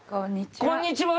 こんにちは。